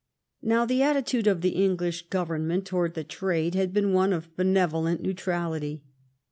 Now the attitade of the English Oovemment towards the trade had heen one of benevolent neutrality.